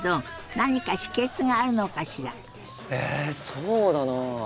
そうだな。